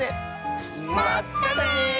まったね！